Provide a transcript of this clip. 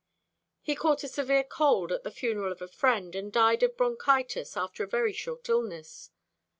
"He caught a severe cold at the funeral of a friend, and died of bronchitis after a very short illness.